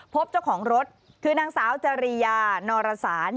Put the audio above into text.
พบเจ้าของรถคือนางสาวจริยานอรสาร